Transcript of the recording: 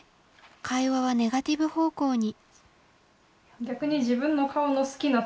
会話はネガティブ方向に。